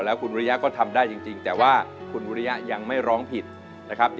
แล้วคุณวิริยะก็ทำได้จริงแต่ว่าคุณวิริยะยังไม่ร้องผิดนะครับ